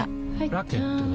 ラケットは？